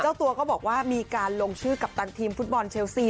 เจ้าตัวก็บอกว่ามีการลงชื่อกัปตันทีมฟุตบอลเชลซี